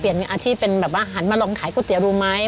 อาชีพเป็นแบบว่าหันมาลองขายก๋วยเตี๋ยวดูไหม